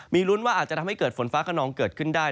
มีลุ้นว่าอาจจะทำให้เกิดฝนฟ้าขนองเกิดขึ้นได้